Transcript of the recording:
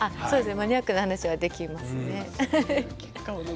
マニアックな話はできますね。